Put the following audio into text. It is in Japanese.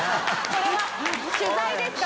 これは取材ですか？